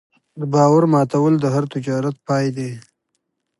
د باور ماتول د هر تجارت پای دی.